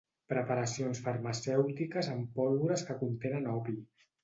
Preparacions farmacèutiques en pólvores que contenen opi.